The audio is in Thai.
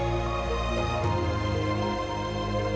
ก็ยังมีปัญหาราคาเข้าเปลือกก็ยังลดต่ำลง